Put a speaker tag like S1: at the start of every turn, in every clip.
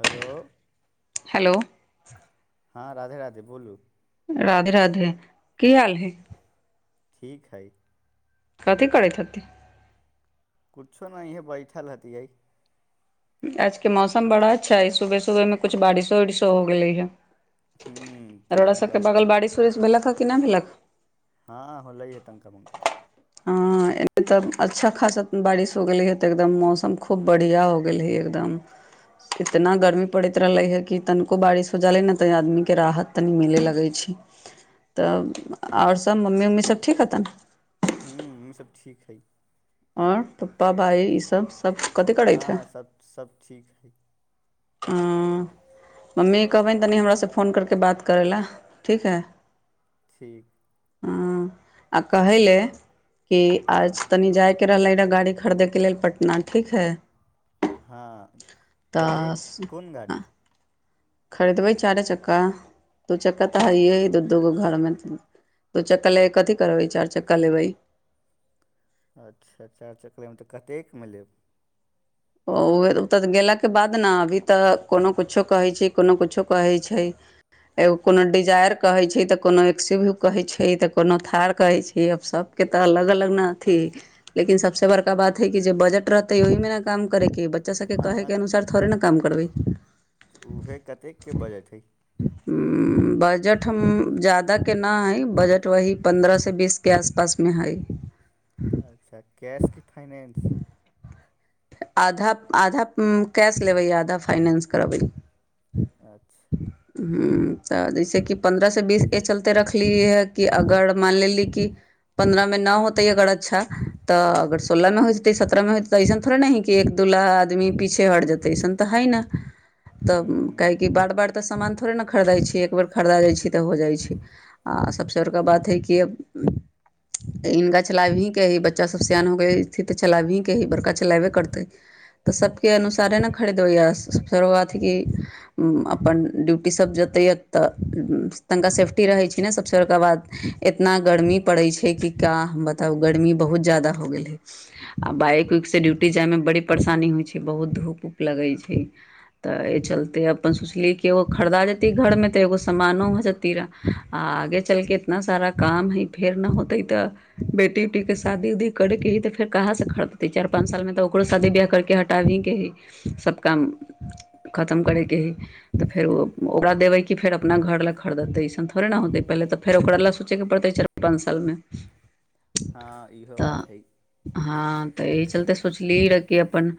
S1: Hello
S2: hello
S1: हँ, राधे राधे! बोलू
S2: राधे राधे! की हाल हय?
S1: ठीक हइ।
S2: कथी करैत हथि?
S1: कुछो नहि, इहे बैठल हथियै।
S2: आजके मौसम बड़ा अच्छा हइ। सुबह-सुबहमे कुछ बारिशो-उरिशो हो गेलैय।
S1: ह्म
S2: अरौड़ा
S1: तनिका मनिका
S2: सभके
S1: होलै
S2: बगल बारिश उरिश भेलक हेँ कि नहि भेलक
S1: हँ होलै है तंका मुङका
S2: ह एने त अच्छा खासा बारिश हो गेलै ह तऽ एकदम मौसम खूब बढ़िया हो गेलही एकदम इतना गर्मी पड़ैत रहले ह कि तनिको बारिश हो ज रहले न तऽ आदमीके राहत तनी मेले लगै छी तऽ और सब मम्मी उम्मी सभ ठीक हतन
S1: हू ईस ठीक हइ
S2: और पप्पा भाइ ईसभ सभ
S1: हँ सब सभ ठीक हइ
S2: आ मम्मी कहबनि तनि हमरासँ फोन करके बात करै लए ठीक हइ
S1: ठीक
S2: ह आ कहै ले कि
S1: हँ
S2: आज तनी जाय केर ले रहै गाड़ी खरीदैके लेल पटना ठीक है
S1: हँ कतेक
S2: तऽ
S1: कोन गाड़ी
S2: खरीदबै चारे चक्का दू चक्का तऽ हइै दू दू गो घरमे दु चक्का ले के कथी करबै चार चक्का लेबै
S1: अच्छा चारि चक्लेमे तऽ कतेकमे लेब
S2: ओ ओ तऽ गेलाके बाद ने अभी तऽ कोनो कुछो कहैत छै कोनो कुछो कहैत छै एगो कोनो डिजाायर कहैत छै तऽ कोनो एक्सिव्यू कहैत छै तऽ कोनो थार कहैत छै आ सभ के तऽ अलग अलग न ही लेकिन सबस बड़का बात है कि जे बजट रहतेै ओहि मे ने काम करेके बच्चा सबके
S1: हँ
S2: कहै के अनुसार थोड़े ने काम करबै
S1: तऽ उएह कतेकके बजट हइ
S2: बजट जाददा के न है बजट वह पन्द्रह से बीस के आसपासमे हइ
S1: अच्छा कैश की फाइनेंस
S2: आधा आधा अ्म कैश लेबै आ आधा फाइनेंस करबै
S1: अच्छा
S2: ह तऽ जैसेकि पन्द्रहसँ बीस ए चलते रखलियै हए कि अगर मानि लेली कि पन्द्रह मे न होते अग अच्छा तऽ अगर सोलह मे हो जेते सत्रह मे होते ऐसन थोड़ा ने ह एक दू आदमी पीछे हर जेते सन तऽ है न तब
S1: ह्म ह्म
S2: काह बार बार तऽ सान थोड़े ने खरीदै छीयै एक बेर खरीदा जाइ छी तऽ हो जाइ छै आ सभसँ बड़का बात हइ कि इनका छलाब ही के ही बच्चा सब सियान हो ग स्थित त छलाब ही के ही बड़का चलाबे करत तऽ सबके अनुसारे ने खरीदब य फेरो अथ क अपन ड्यूटीसभ जोतैए तऽ तनिका सेफ्टी रहै छै ने सभसँ बड़का बाद इतना गर्मी पड़ैत छै कि का बताउ गर्मी बहुत जादा हो गेल है आ बाइक उइकसँ ड्यूटी जायमे बड़ी परेशानी होइ छै बहुत धूप उप लगै छै तऽ एहि चलते अपन सोचली कि एगो खरीदा जेती घर मे तऽ एगो सामानो भए जेत तीरा आ आगे चलके इतना सारा काम हइ फेर न होतै तऽ ब बेटी उटी के शादी उदी करेके ही त फेर कहाँ से खरदतै चार पाँच साल मे तऽ ओकरो शा दी बिआाह करके हटाबीकके हइ सब काम खतम करैके हइ तऽ फेर ओ ओकरा देबै कि फेर अपना घर लए खरीदतै अइसन थोड़े ने होतै पहिले तऽ फेर ओकरा लेल सोचयके पड़तै च पाँच सालमे
S1: हँ इहो
S2: तऽ
S1: बात हैइ
S2: हँ तऽ इह चलते सोच मछली र के अपन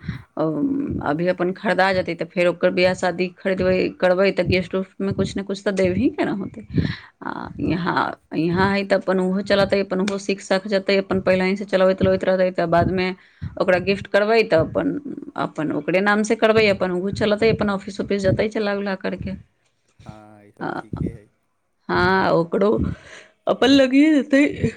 S2: अभी अपन खरीदा जेते तऽ फेर ओकर बियाह शादी खरीदबै करबै तऽ गेस्ट उस्ट मे कछु ने किुछु तऽ देबही के ने होतै आ यहाँ यहाँ है तऽ अपन ओहो चलतेै अपन ओहो सीख साख जेतै अपन पहिलहीं से चलबैत उलबैत रहतै तऽ बादमे ओकरा गिफ्ट करबै तऽ अपन अपन ओकरे नाम से करबै अपन ओहो चलेतै अपन ऑफिस उफिस जतै चला उला क करके
S1: हँ ई सब ठीके हइ
S2: हँ ओको अपल लगीए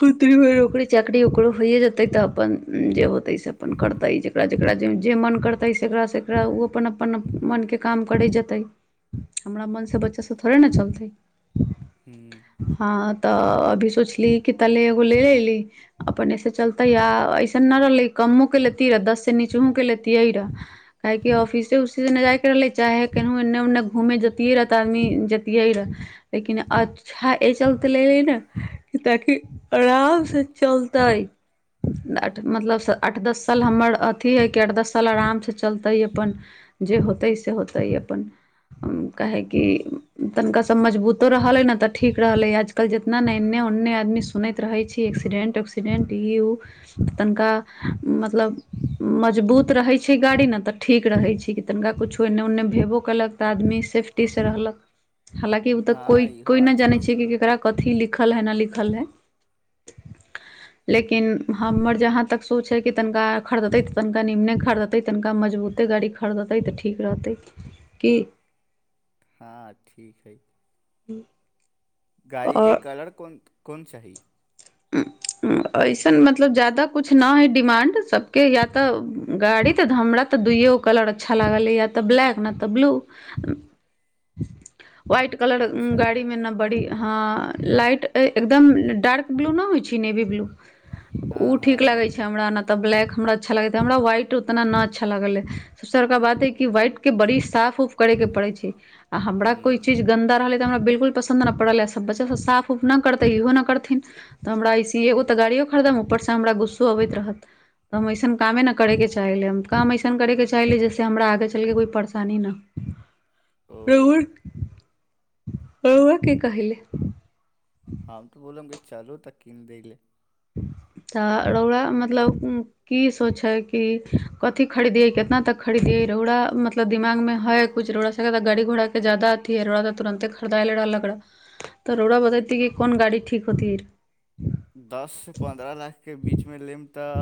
S2: कत व र चाकरी ओकर होइ जतै तऽ अपन जे होतै से अपन करतै जेकरा जेकरा जे जे मन करतै सेरा सेरा ओ अपन अपन मनके काम करै जेतै हमरा मनसँ बच्चा सब थोड़े ने चलतै
S1: हू
S2: हँ तऽ अभी सोचली क ते एगो ले ले अयली अपन असे चलतै आ अइसन नहि रहलै कम्मो क लैतियै रहए दससँ नीचोँ क लैतियै रहए काहेकि ऑफिसे उफसिस नहि जाइके रहलै चाहे केन एन्ने ओन्ने घूमे जतिियै रह तऽदमी जैतियै रहऽ लेकिन अ छा एहि चलते लले ने ताकि आराम से चलते न मतलब आठ दस साल हमर अथि हइ कि आठ दस साल आरामसँ चलतै अपन जे होत ह से होत ह अपन काह की तनिका सब मजबूतो रहल हे न तऽ ठीक रहल ह आजकल जितना ने एन्ने ओन्ने आदमी सुनैत रहै छै एक्सीडेंट उक्सीडेंट ई ओ त तनिका मतलब मजबूत रहै छै गाड़ी ने तऽ ठीक रहै छै कि तनिका कछो एन्ने ओने भेबो केलक तऽ आदमी सेफ्टी क से रहलक हालकि ओ तऽ
S1: हँ
S2: कोइ
S1: इहो
S2: कोइ
S1: बात
S2: नहि जानै
S1: हइ
S2: छै कि ककरा कथी लिखल। है न लिखल हे लेकिन हमर जहाँ तक सोच ह कि तनिका खरिदतै तऽ तनिका निमने खरिदतै तनिका मजबूते गाड़ी खरीदतै तऽ ठीक रहतै कि
S1: हँ ठीक हइ
S2: हूँ
S1: गाड़ीके कलर कोन कोन चाही
S2: अ्म अइसन मतलब ज्यादा कुछ न हइ डिमान्ड सबके या तऽ गाड़ी तऽ ध हमरा त तऽ दुइयो कलर अच्छा लागल या तऽ ब्लैक नहि तऽ ब्लू वहाइट कलर
S1: अच्छा
S2: गाड़ी मे न बड़ी ह लाइट एकदम डार्क ब्लू नहि होइ छै नेवी ब्लू ओ
S1: हँ हँ
S2: ठीक लागै छै
S1: हँ
S2: हमरा तऽ ब्लैक हमरा अच्छा लागैत हमरा व्हाइट उतना न अच्छा लागले दोसरका बात है कि व्हाइट के बड़ी साफ उफ करे के पड़ै छै आओर हमरा कोइ चीज गन्दा रहलै तऽ हमरा बिल्कुल पसन्द नहि पड़लै सब बच्चासभ साफ उफ नहि करतै इहो नहि करथिन तऽ हमरा ऐसे एगो तऽ गाड़िो खरीदम ऊपरसँ हमरा गुस्सो अबैत रहत तऽ हम अइसन कामे ने करैके चाहील हम काम अइसन करैके चाहली जैसे हमरा आगे चलि कऽ कोइ परेशानी नहि
S1: ओ
S2: रहु रहुआ के कहहिल
S1: हम तो बोलबगे चलू तक कीन दे ले
S2: तऽड़ौलाा मतलब की सोचै कि कथी खरीदियै कितना तक खरीदियै रोड़ा मतलब दिमागमे है कछ रोड़ा एकरा त गाड़ी घोड़ा के ज्यादा अथी है रौरा त तुरंते खरीदायले रहलक र त रोड़ा बतेति की कौन गाड़ी ठीक होती
S1: दस से पंन्द्रह लाख के बीचमे लेम तऽ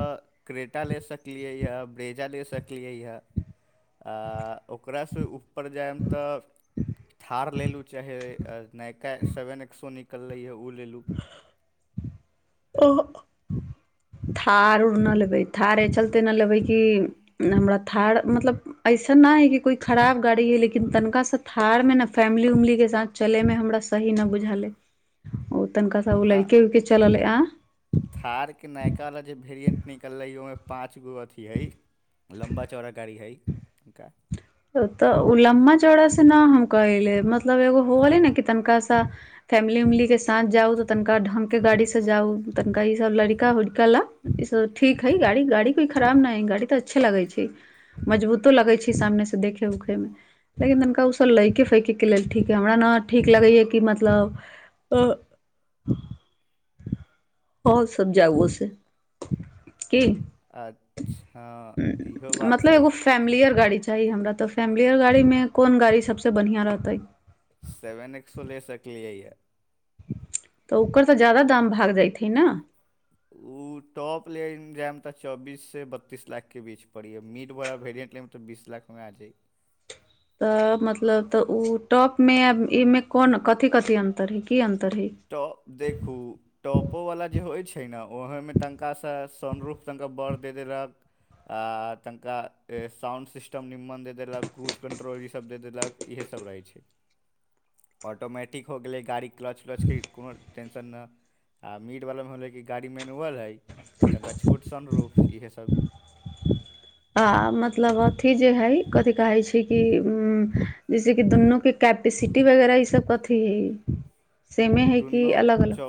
S1: क्रेटा ले सकलियै हऽ ब्रेजा ले सकलियै हऽ आ ओकरासँ ऊपर जायब त थार लेलहुँ चाहे नयका सेवन एक्सो निकलै हँ ओ ले लूँ
S2: थार उर न लेबै थार ए चलते न लेबै कि हमरा थार मतलब ऐसन ना है कि कोई खराब गाड़ी है लेकिन तनिका से थार में न फैमिली उमली के साथ चलैमे हमरा सही न बुझाले सब ओ लयकेे विक चलालेए
S1: थारके नयकालला जे वेरियन्ट निकललै ओहिमे पाँच गो अथि हइ लम्बा चौड़ा गाड़ी हइ हुनका
S2: तऽ ओ लम्बा चौड़ा से न हम कहैले मतलब एगो होलै न कि तनिका सा फैमिली उमली के साथ जाउ तनिका ढ़ग के गाड़ीसँ जाउ तनिका ईसभ लड़का उड़िका ला ई सब ठीक है गाड़ी गाड़ी कोइ खराब न है गाड़ी त अच्छा लगै छै मजबूतो लगै छै सामने स देखै उखैमे लेकिन तनिका ओसभ लैकेए फैकयके लेल ठीक यए हमरा ने ठीक लगैए कि मतलब आ [unintelligible] ओ सब जाउ से की
S1: अच्छा इहो बात छै
S2: फैमिलीयर गाड़ी चाही हमरा त फैमिलीयर गाड़ी मे कोन गाड़ी सब से बढ़िया रहतेै
S1: सेवेन एक्सो ले सकलियै यऽ
S2: त ओकर त ज्यादा दाम भाग जाइथिन न
S1: [inaudible] [inaudible] उ टॉप लेन जाय मे त चौबीस से बत्तीस लाख के बीच पड़ी य मिड वाला वेरियंट ले त बीस लाख मे आ जाइ
S2: तऽ मतलब तऽ ओ टॉपमे एहिमे कोन कथी कथी अन्तर हइ की अन्तर हइ
S1: टॉ देखू टॉपोवला जे होइ छै ने ओहोमे तनिकासँ सनरूप तनिका बड़ द देलक आतनका साउंड सिस्टम निमन द देलक क्रूज कन्ट्रोल ईसभ दे देलक इहे सब रहै छै ऑटोमैटिक हो गेलै गाड़ी क्लच व्लच की कोनो टेंशन ने आ मीटवलामे होलै कि गाड़ी मेनुअल हइ तनिका छोटसन रूप इहस
S2: आ मतलब अथि जे है कथि कहे छै कि उ जैस कि दुन्नू के कैपेसिटी वगैरा ईस कथी हइ सेमे हइ कि
S1: दुनू
S2: अलग अलग
S1: चौ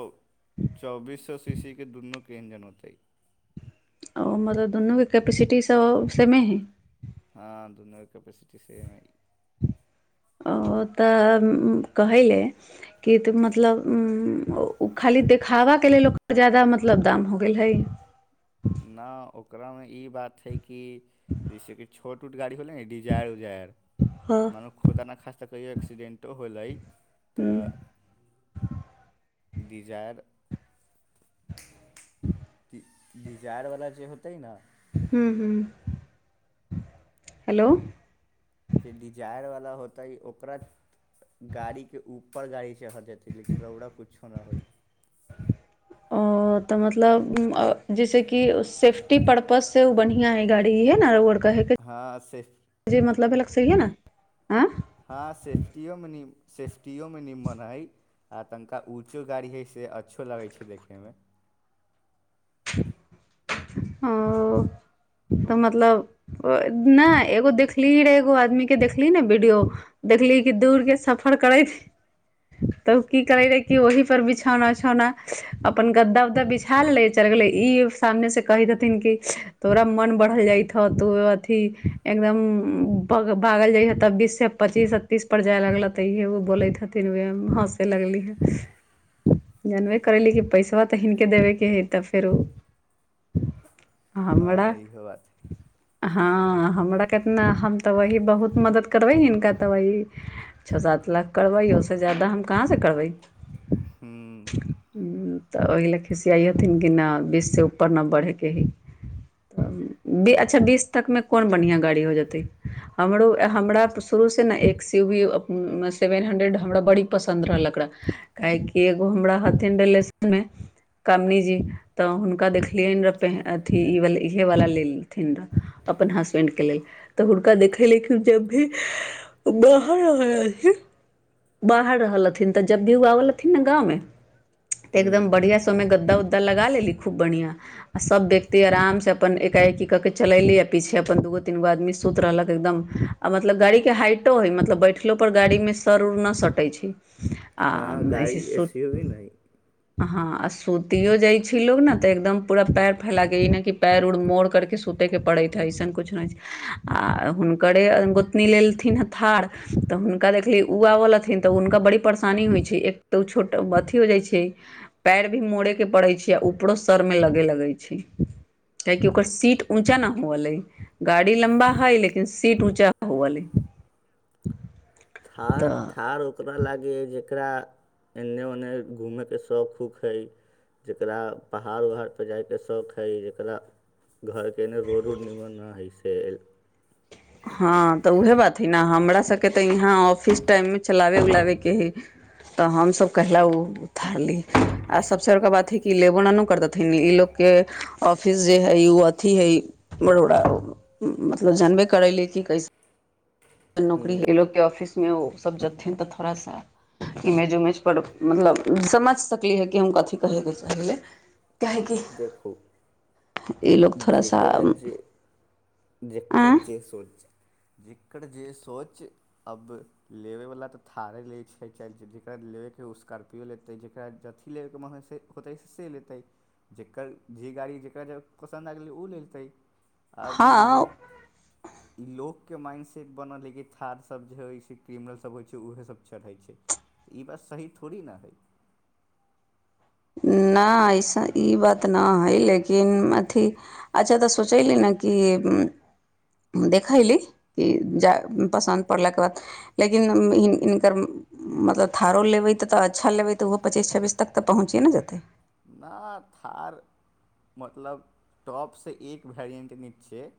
S1: चौबीस सीशी के दुनू के इंजन होतै
S2: आ मत दुनूके कैपटी स सेमे है
S1: हँ दुनू कैपिसिटी सेम है
S2: ओ त कहैले कि त मतलब ओ खाली देखावा के लेल ओकर ज्यादा मतलब दाम हो गेल हइ
S1: न ओकरा मे ई बात है कि जैसे छोट उट गाड़ी होलै डिजार उजार
S2: हँ
S1: मान खुदा ने खासता कहियो एक्सीडेंटो होलै त
S2: हूँ
S1: दिजायर डिजारवला जे होतै न
S2: हूँ हूँ हेलो
S1: जे डिजायरवला होतै ओकरा गाड़ीके उप ऊपर गाड़ी चढ़ जेतै लेकिन रौड़ कुछो न होय
S2: ओ तऽ मतलब जैसेकि सेफ्टी परर्पस से ओ बढ़ियां है गाड़ी है न
S1: हँ सेफ
S2: मतलब है लग सहहिए न आ
S1: हँ सेफ्टियो मे सेफ्टियो मे निम्मन हइ उ तनिका ऊँचो गाड़ी हइ से अच्छो लगै छै देखैमे [inaudible]
S2: ह ओ त मतलब नहि एगो देखली रह एगो आदमी के देखली ने वीडियो देखली कि दूर के सफर करै छै तऽ ओ की करे रहे कि ओहि पर बिछौना उछौना अपन गद्दा उद्दा बिछा लै चल गेलै ई सामने से कहि देथिन कि तोरा मन बढ़ल जाय हे तो अथी एकदम भागल जाइ हे तबीसँ पचीस अ्तीसपर जाय लगलै तऽ इहे ओ बोलै हथिन उएह हँसे लगलीहे जानबे करैली कि पैसा तऽ हिनके देबेके है तब फेरू
S1: हँ
S2: हमरा
S1: इहो बात
S2: हँ हमरा केतना हम त वही बहुत मदद करबै हिनका त वही छह सात लाख करबै ओहिसँ ज्यादा हम कहाँसँ करबै
S1: हूँ
S2: तऽ ओहि लए खिसियाइ हथिन कि न बीच से ऊपर नहि बढ़ैके ही अच्छा बीस तक में कोन बढ़िआं गाड़ी हो जेत हमरो हमरा शुरू सँ ने X U V seven hundred हमरा बड़ी पसन्द रहल एकरा काहेकी एगो हमरा हथिन रिलेशन में कमनी जी तऽ हुनका देखलियनि रहए पे अथिी ईवला इहवला लेलथिन रहए अपन हसबैंडके लेल त हुनका देखय लेकिन जब भी बाहर आ ह बाहर रहल हथिन तऽ जब भी ओ आबल हथिन ने गाँवमे त एकदम
S1: हूँ
S2: बढ़िया समे गद्दा उद्दा लगा लेली खूब बढ़िया आ सभ व्यक्ति आरामसँ अपन एकाएकी कऽ कऽ चलयली आ पीछे अपन दू गो तीन गो आदमी सुति रहलक एकदम आ मतलब गाड़ीके हाइटो हइ मतलब बैठलो पर गाड़ीमे सर उर नहि सटै छै आ
S1: हँ गाड़ी एसी भी नहि
S2: ह आ सूतिो जाइ छ लोग ने तऽ एकदम पूरा पयर फैलााके नहि कि पएर उर मोड़ करके सुतैके पड़ैत हइ अइसन किछु नहि छै आ हुनकरे गोतनी लेलथिन थार तऽ हुनका देखली उआ लथि त ओ हुनका बड़ी परेशानी होइ छै एक त ओ छोट अथी हो जाइ छै पैर भी मोड़े के पड़ै छै आ ऊपरो सर मे लगे लगै छै काहेकि ओकर सीट ऊंचा न होले गाड़ी लम्बा हाइ लेकिन सीट ऊँचा हो ली
S1: थार
S2: तऽ
S1: थार ओकरा लागै जेकरा एन्ने ओने घूमैके शौक हूक हइ जकरा पहाड़ उहाड़पर जायके शौक हइ जकरा घरकेने रो रोड निमन न हैस
S2: हँ त उएह बात हइ ने हमरा सभके त यहाँ ऑफिस टाइमे चलाबय उलाबयके हइ त हमसब कहैला ओ उथारली आ सभसँ बड़का बात हइ कि लेबोननो कर देथिन ई लोकके ऑफिस जे है उ अथी है बड़ोड़ मतलब जानबे करैले कैसे नौकरी ऑफिस मे ओ सब जेथिन त थोड़ा सा इमेज उमेज पर मतलब समझ सकली है कि हम कथी कहेके चाहीले
S1: देखू
S2: ई लोग थोड़ा सा
S1: जेकरा जे जेकर
S2: आँय
S1: जे सोच जेकर जे सोच अब लेबयवला तऽ थारे लैत छै चाहे जकरा लेबयके ह ओ स्कारर््पियो लेतै जकरा अथि लेब म होतै से लेतै जकर जे गाड़ी जेकरा ज [unintelligible]
S2: हँ
S1: ई लोकके माइंडसट बनल है कि थारसभ जे होइ छै क्रिमिनलसभ होइ छै उएहसभ चढ़ै छै तऽ ई बात सही थोड़ी ने हइ
S2: नहि अइस ई बात नहि हइ लेकिन अथि अच्छा तऽ सोचयली ने कि देखयली कि जा पसन्द पड़लाके बाद लेकिन इनकर मतलब ाारो लेबै तऽ तऽ अच्छा लेैऽ ओहो पचीस छब्बीस तक तऽहुँचए ने जेतै
S1: नहि थार मतलब टॉपसँ एक वैरिएन्ट नहिीक छै